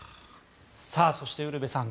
そしてウルヴェさん